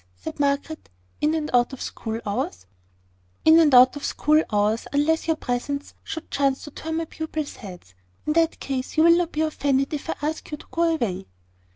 said Margaret. "In and out of school hours?" "In and out of school hours, unless your presence should chance to turn my pupils' heads. In that case, you will not be offended if I ask you to go away."